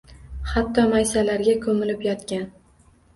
Hatto maysalarga ko’milib yotgan